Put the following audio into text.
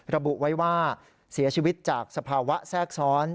ระบุไว้ว่าเสียชีวิตจากสภาวะแทรกซ้อน